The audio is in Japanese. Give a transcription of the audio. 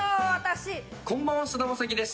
こんばんは、菅田将暉です。